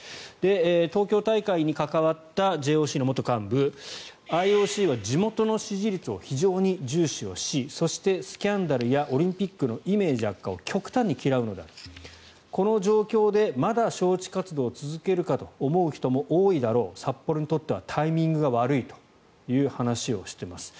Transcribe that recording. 東京大会に関わったＪＯＣの元幹部ＩＯＣは地元の支持率を非常に重視しそして、スキャンダルやオリンピックのイメージ悪化を極端に嫌うこの状況でまだ招致活動を続けるかと思う人も多いだろう札幌にとってはタイミングが悪いという話をしています。